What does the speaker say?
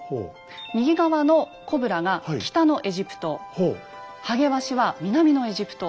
右側のコブラが北のエジプトハゲワシは南のエジプト。